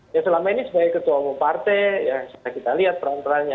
yang selama ini sebagai ketua umum partai ya kita lihat perantaranya